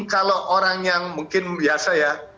kalau orang yang mungkin biasa ya